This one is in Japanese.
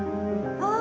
あ！